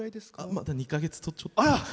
まだ２か月とちょっと。